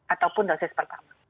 ataupun dosis pertama